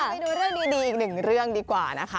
ไปดูเรื่องดีอีกหนึ่งเรื่องดีกว่านะคะ